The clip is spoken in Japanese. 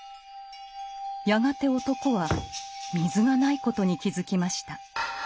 やがて男は水がないことに気付きました。